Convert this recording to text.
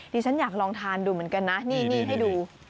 ฉันอยากลองทานดูเหมือนกันนะนี่ให้ดู